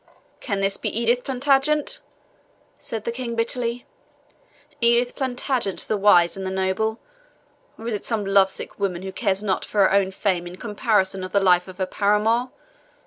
"Can this be Edith Plantagenet?" said the King bitterly "Edith Plantagenet, the wise and the noble? Or is it some lovesick woman who cares not for her own fame in comparison of the life of her paramour?